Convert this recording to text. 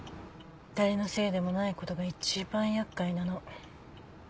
誰のせいでもないことが一番やっかいなの。